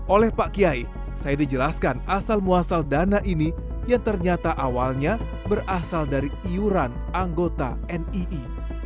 oleh pak kiai saya dijelaskan asal muasal dana ini yang ternyata awalnya berasal dari iuran anggota nii